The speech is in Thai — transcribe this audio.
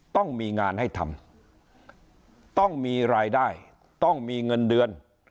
ต้องมีงานให้ทำต้องมีรายได้ต้องมีเงินเดือน